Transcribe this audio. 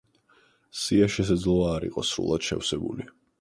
სია შესაძლოა არ იყოს სრულად შევსებული.